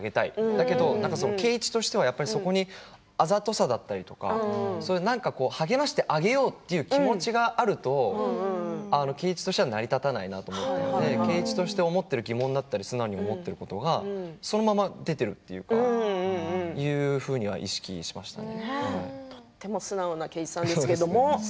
だけど圭一としてはやっぱりそこにあざとさがあるとか何か励ましてあげようという気持ちがあると圭一としては成り立たないなと思ったので圭一として思っている疑問だったり素直に思っていることがそのまま出ているというかとても素直な圭一さんですけど。